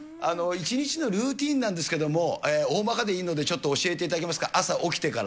１日のルーティーンなんですけど、大まかでいいのでちょっと教えていただけますか。